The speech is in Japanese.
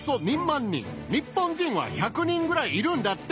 日本人は１００人ぐらいいるんだって。